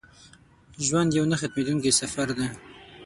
ژوند یو نه ختمېدونکی سفر دی.